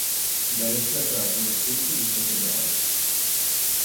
Da esse ha tratto una suite di sette brani.